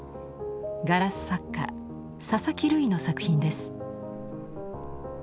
ガラス作家佐々木類の作品です。